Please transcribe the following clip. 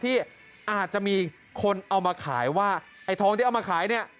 ที่อาจจะมีคนเอามาขายว่าไอ้ทองที่เอามาขายเนี่ย